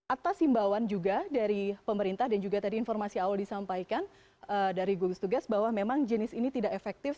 atas himbauan juga dari pemerintah dan juga tadi informasi awal disampaikan dari gugus tugas bahwa memang jenis ini tidak efektif